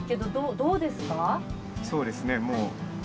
そうですねもう。